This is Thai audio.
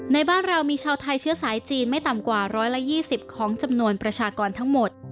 ในบ้านเรามีชาวไทยเชื้อสายจีนไม่ต่ำกว่า๑๒๐ของจำนวนประชากรทั้งหมด